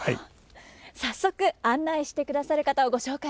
早速案内してくださる方をご紹介しましょう。